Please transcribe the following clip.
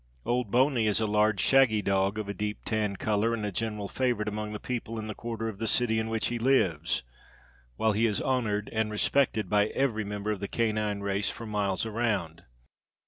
Old Boney is a large shaggy dog of a deep tan color, and a general favorite among the people in the quarter of the city in which he lives, while he is honored and respected by every member of the canine race for miles around.